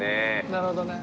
なるほどね。